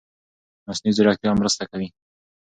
مصنوعي ځيرکتیا مرسته کوي.